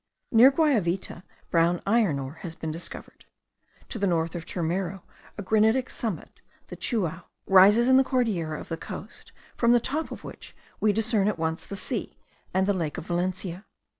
Near Guayavita, brown iron ore has been discovered. To the north of Turmero, a granitic summit (the Chuao) rises in the Cordillera of the coast, from the top of which we discern at once the sea and the lake of Valencia.